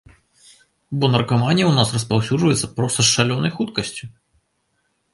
Бо наркаманія ў нас распаўсюджваецца проста з шалёнай хуткасцю.